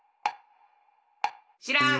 しらん！